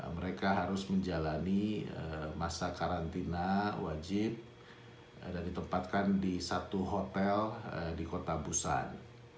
mereka harus menjalani masa karantina wajib dan ditempatkan di satu hotel di kota busan